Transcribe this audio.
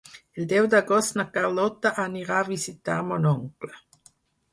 El deu d'agost na Carlota anirà a visitar mon oncle.